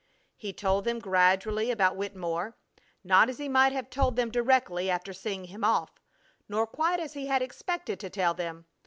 He told them gradually about Wittemore; not as he might have told them directly after seeing him off, nor quite as he had expected to tell them.